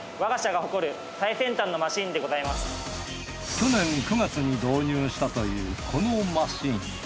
去年９月に導入したというこのマシン。